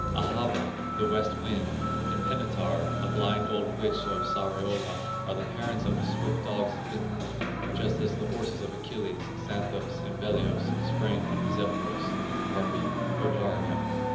Ahava, the West wind, and Penitar, a blind old witch of Sariola, are the parents of the swift dogs of Finland, just as the horses of Achilles, Xanthos and Belios, sprang from Zephyros and the harpy Podarge.